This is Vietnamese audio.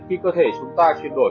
khi cơ thể chúng ta chuyển đổi